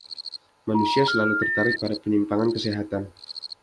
Manusia selalu tertarik pada penyimpangan kesehatan.